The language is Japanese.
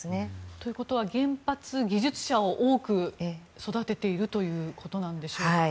ということは原発技術者を多く育てているということでしょうか？